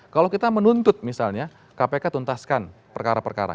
kalau kita menuntut misalnya kpk tuntaskan perkara perkara